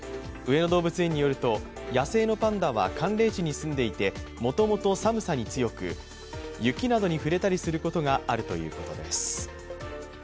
上野動物園によると、野生のパンダは寒冷地に住んでいてもともと寒さに強く、雪などに触れたりすることがあるということです。